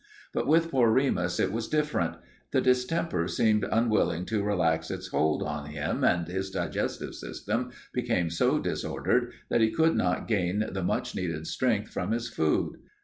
But with poor Remus it was different. The distemper seemed unwilling to relax its hold on him and his digestive system became so disordered that he could not gain the much needed strength from his food.